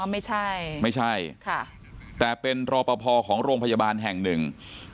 ไม่ใช่ไม่ใช่ค่ะแต่เป็นรอปภของโรงพยาบาลแห่งหนึ่ง